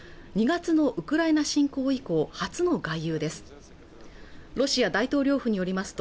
２月のウクライナ侵攻以降初の外遊です